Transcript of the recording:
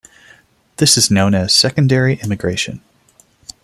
This is known as "secondary immigration".